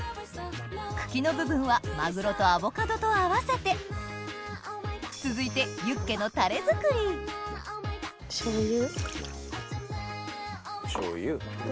茎の部分はマグロとアボカドと合わせて続いてユッケのタレ作り醤油。